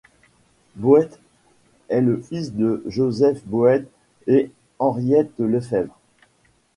Boedt est le fils de Joseph Boedt et Henriette Lefèbvre.